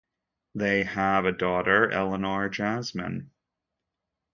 They have a daughter, Eleanor Jasmine.